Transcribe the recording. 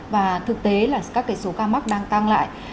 và thực tế là các số ca mắc đang tăng lại